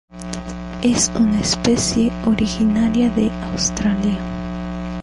Es una especie originaria de Australia.